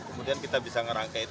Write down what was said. kemudian kita bisa ngerangkai